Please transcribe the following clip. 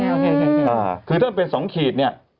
ถ้ามันไปเป็นสองขีดเนี่ย